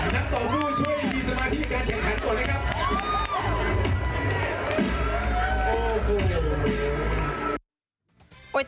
ต่อสู้ช่วยมีสมาธิการแข่งขันก่อนไหมครับ